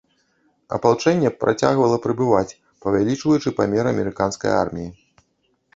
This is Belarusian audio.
Апалчэнне працягвала прыбываць, павялічваючы памер амерыканскай арміі.